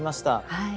はい。